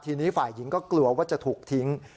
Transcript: ทีนี้ฝ่ายหญิงก็กลัวว่าจะถูกทิ้ง